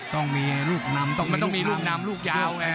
ต้องมีลูกนำมันต้องมีลูกนำลูกยาวไง